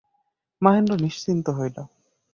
মহেন্দ্র নিশ্চিন্ত হইল।